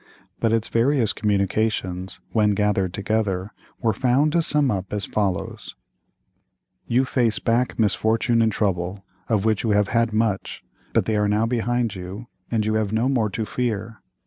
But its various communications, when gathered together, were found to sum up as follows: "You face back misfortune and trouble, of which you have had much, but they are now behind you, and you have no more to fear.